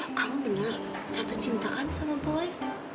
aduh kamu bener jatuh cinta kan sama boy